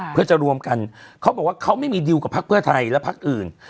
เพื่อจะรวมกันเขาบอกว่าเขาไม่มีดิวกับพักเพื่อไทยและพักอื่น